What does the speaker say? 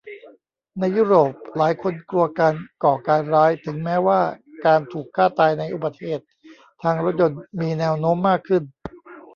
ในยุโรปหลายคนกลัวการก่อการร้ายถึงแม้ว่าการถูกฆ่าตายในอุบัติเหตุทางรถยนต์มีแนวโน้มมากขึ้น